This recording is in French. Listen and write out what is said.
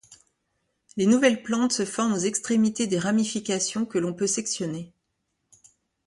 Les nouvelles plantes se forment aux extrémités des ramifications que l'on peut sectionner.